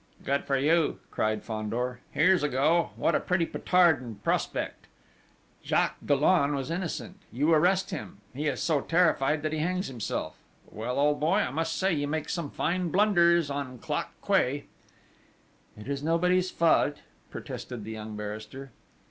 "Good for you!" cried Fandor. "Here's a go! What a pretty petard in prospect!... Jacques Dollon was innocent; you arrest him; he is so terrified that he hangs himself! Well, old boy, I must say you make some fine blunders on Clock Quay!" "It is nobody's fault!" protested the young barrister.